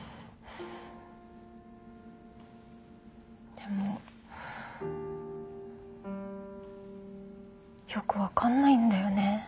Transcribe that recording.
でもよくわかんないんだよね。